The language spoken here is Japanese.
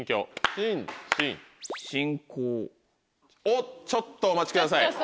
おっちょっとお待ちください。